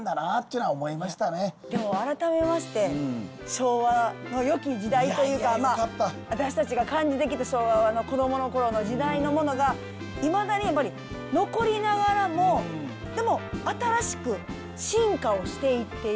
でも改めまして昭和のよき時代というかまあ私たちが感じてきた昭和の子供の頃の時代のものがいまだにやっぱり残りながらもでも新しく進化をしていっている。